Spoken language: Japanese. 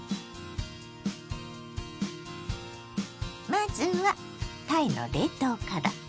まずはたいの冷凍から。